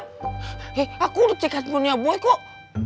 eh aku udah cek hpnya boy kok